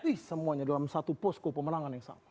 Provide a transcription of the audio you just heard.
ih semuanya dalam satu posko pemenangan yang sama